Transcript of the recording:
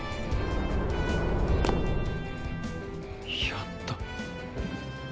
やった。